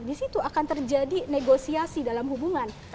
di situ akan terjadi negosiasi dalam hubungan